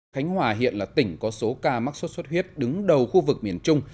khánh hòa hiện là tỉnh có số ca mắc sốt xuất huyết đứng đầu khu vực miền trung